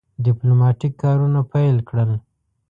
ډیپلوماټیک کارونه پیل کړل.